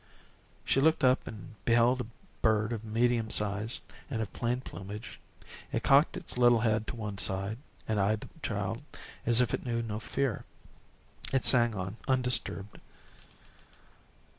She looked up and beheld a bird of medium size, and of plain plumage. It cocked its little head to one side, and eyed the child as if it knew no fear. It sang on undisturbed.